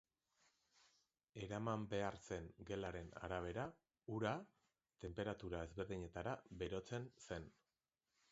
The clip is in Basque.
Eraman behar zen gelaren arabera, ura, tenperatura ezberdinetara berotzen zen.